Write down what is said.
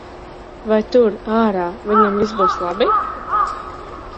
Vai tur, ārā, viņam viss būs labi?